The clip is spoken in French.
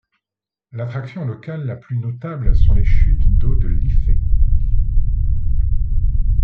L’attraction locale la plus notable sont les chutes d’eau de Liffey.